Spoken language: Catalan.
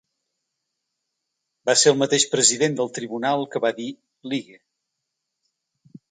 Va ser el mateix president del tribunal que va dir: ‘ligue’.